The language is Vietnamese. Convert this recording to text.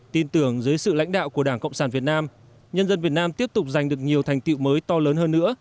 tin tưởng dưới sự lãnh đạo của đảng cộng sản việt nam nhân dân việt nam tiếp tục giành được nhiều thành tiệu mới to lớn hơn nữa